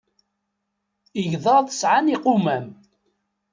Igḍaḍ sɛan iqumam.